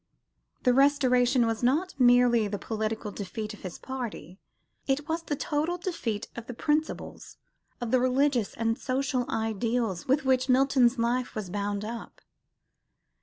The Restoration was not merely the political defeat of his party, it was the total defeat of the principles, of the religious and social ideals, with which Milton's life was bound up.